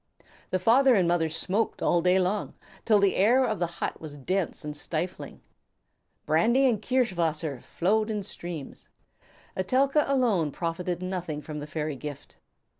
The father and mother smoked all day long, till the air of the hut was dense and stifling. Brandy and kirsch wasser flowed in streams. Etelka alone profited nothing from the fairy gift.